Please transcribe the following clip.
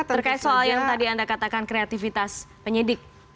terkait soal yang tadi anda katakan kreativitas penyidik